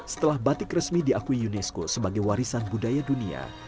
setelah batik resmi diakui unesco sebagai warisan budaya dunia